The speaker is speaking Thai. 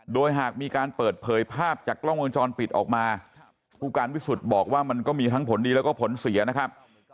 โดยหากมีการเปิดเผยภาพจากกล้องวงจรปิดออกมาผู้การวิสุทธิ์บอกว่ามันก็มีทั้งผลดีแล้วก็ผลเสียนะครับ